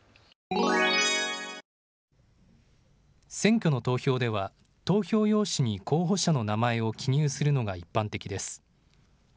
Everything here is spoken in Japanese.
選挙の投票では投票用紙に候補者の名前を記入するのが一般的です。